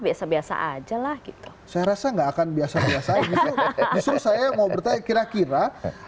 biasa biasa aja lah gitu saya rasa nggak akan biasa biasa justru saya mau bertanya kira kira